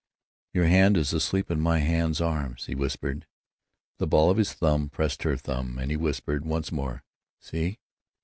"Your hand is asleep in my hand's arms," he whispered. The ball of his thumb pressed her thumb, and he whispered once more: "See.